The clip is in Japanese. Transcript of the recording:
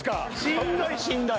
しんどいしんどい。